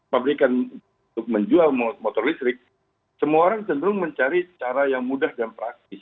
pabrikan untuk menjual motor listrik semua orang cenderung mencari cara yang mudah dan praktis